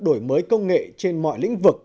đổi mới công nghệ trên mọi lĩnh vực